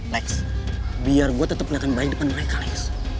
lex biar gua tetep liat baik depan mereka lex